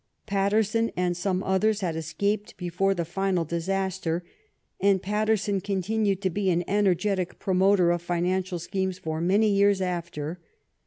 Paterson and some others had escaped before the final disaster, and Paterson continued to be an energetic promoter of financial schemes for many years after.